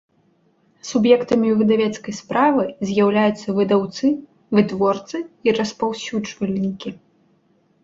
Суб’ектамi выдавецкай справы з’яўляюцца выдаўцы, вытворцы i распаўсюджвальнiкi.